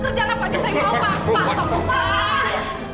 kerjaan apa aja saya mau pak